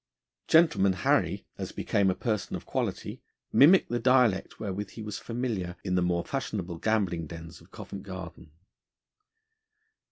Gentleman Harry, as became a person of quality, mimicked the dialect wherewith he was familiar in the more fashionable gambling dens of Covent Garden.